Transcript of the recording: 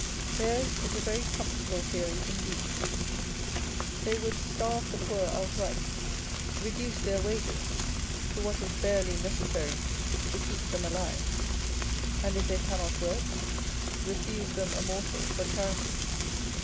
Theirs is a very com fortable theory indeed ! They would starve the poor outright, reduce their wages to what is barely necessary to keep them alive, and if they cannot work, refuse them a morsel for charity.